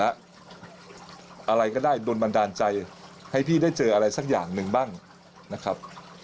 อะไรก็ได้โดนบันดาลใจให้พี่ได้เจออะไรสักอย่างหนึ่งบ้างนะครับ